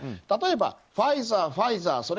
例えばファイザー、ファイザー